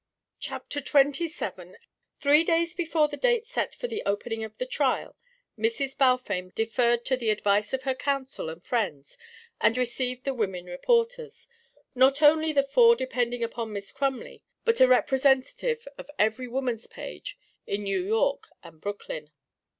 CHAPTER XXVII Three days before the date set for the opening of the trial, Mrs. Balfame deferred to the advice of her counsel and friends and received the women reporters not only the four depending upon Miss Crumley, but a representative of every Woman's Page in New York and Brooklyn.